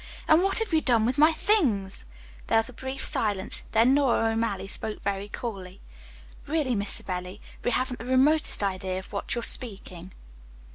"And what have you done with my things!" There was a brief silence. Then Nora O'Malley spoke very coolly. "Really, Miss Savelli, we haven't the remotest idea of what you are speaking."